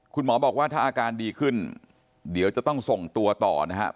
คุณหมอบอกว่าถ้าอาการดีขึ้นเดี๋ยวจะต้องส่งตัวต่อนะครับ